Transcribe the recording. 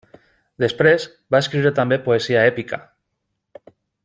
Després, va escriure també poesia èpica.